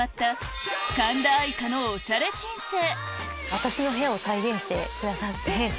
私の部屋を再現してくださって。